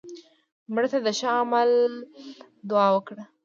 مړه ته د ښه عمل دعا وکړه